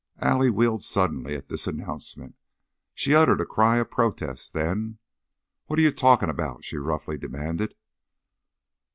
Allie wheeled suddenly at this announcement. She uttered a cry of protest; then, "What are you talkin' about?" she roughly demanded.